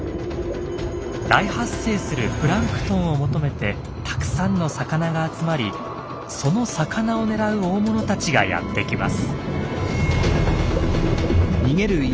大発生するプランクトンを求めてたくさんの魚が集まりその魚を狙う大物たちがやって来ます。